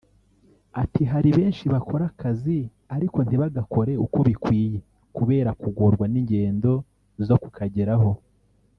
Ati “Hari benshi bakora akazi ariko ntibagakore uko bikwiye kubera kugorwa n’ingendo zo kukageraho